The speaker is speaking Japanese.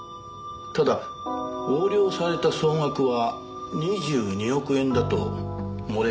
ただ横領された総額は２２億円だと漏れ聞こえています。